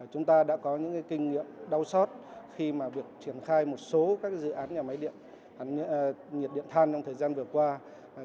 chúng ta đã có những kinh nghiệm đau xót khi mà việc triển khai một số các dự án nhà máy điện nhiệt điện than trong thời gian vừa qua